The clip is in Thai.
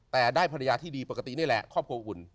แต่ได้ภรรยาที่ดีปกตินี่แหละครอบครัวอุ่น